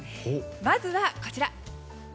まずはこちら。